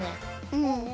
うん。